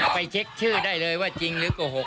เช็คชื่อได้เลยว่าจริงหรือโกหก